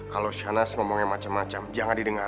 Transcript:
kalau shainaz ngomong yang macam macam jangan didengarkan